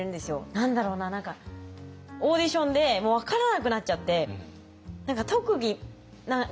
何だろうなオーディションでもう分からなくなっちゃって「特技何かありますか？」